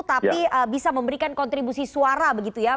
tapi bisa memberikan kontribusi suara begitu ya